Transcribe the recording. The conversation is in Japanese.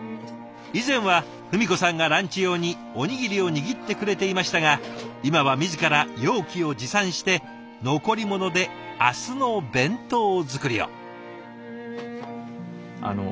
以前は文子さんがランチ用におにぎりを握ってくれていましたが今は自ら容器を持参して残り物で明日の弁当作りを。